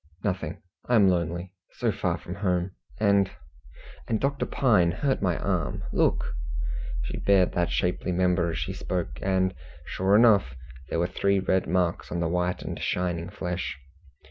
"Nothing! I am lonely. So far from home; and and Dr. Pine hurt my arm. Look!" She bared that shapely member as she spoke, and sure enough there were three red marks on the white and shining flesh.